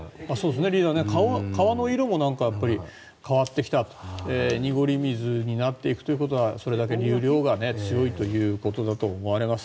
リーダーね川の色も変わってきた濁り水になっていくということはそれだけ流量が強いということだと思われます。